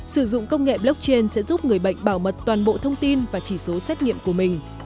sử dụng công nghệ blockchain sẽ giúp người bệnh bảo mật toàn bộ thông tin và chỉ số xét nghiệm của mình